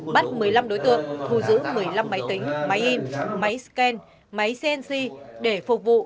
bắt một mươi năm đối tượng thu giữ một mươi năm máy tính máy in máy scan máy cnc để phục vụ